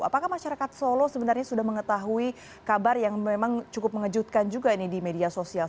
apakah masyarakat solo sebenarnya sudah mengetahui kabar yang memang cukup mengejutkan juga ini di media sosial